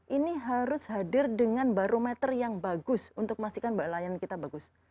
ini harus hadir dengan barometer yang bagus untuk memastikan mbak layan kita bagus